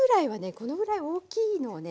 このぐらい大きいのをね